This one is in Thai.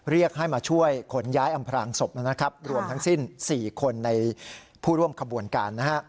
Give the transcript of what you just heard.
เรียกให้มาช่วยขนย้ายอำพรางศพนะครับรวมทั้งสิ้น๔คนในผู้ร่วมขบวนการนะฮะ